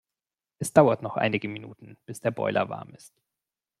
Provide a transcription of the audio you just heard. Es dauert noch einige Minuten, bis der Boiler warm ist.